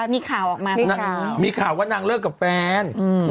มีข่าวออกมาด้วยนะมีข่าวว่านางเลิกกับแฟน